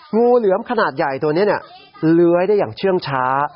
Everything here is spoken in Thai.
งูเหลือมขนาดใหญ่ตัวนี้เลื้อยได้อย่างเชื่องช้า